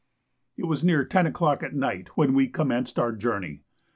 It was near 10 o'clock at night when we commenced our journey.